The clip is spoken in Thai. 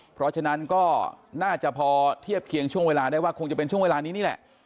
เพราะฉะนั้นก็น่าจะพอเทียบเคียงช่วงเวลาได้ว่าคงจะเป็นช่วงเวลานี้นี่แหละ